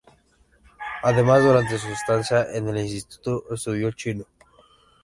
Además, durante su estancia en el instituto estudió chino.